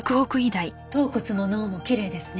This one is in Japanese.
頭骨も脳もきれいですね。